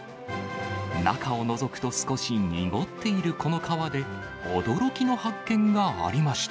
中をのぞくと少し濁っているこの川で、驚きの発見がありました。